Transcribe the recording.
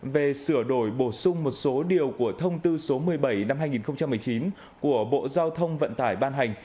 về sửa đổi bổ sung một số điều của thông tư số một mươi bảy năm hai nghìn một mươi chín của bộ giao thông vận tải ban hành